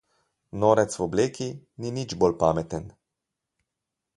Norec v obleki ni nič bolj pameten.